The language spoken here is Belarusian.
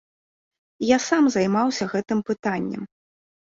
Я сам займаўся гэтым пытаннем.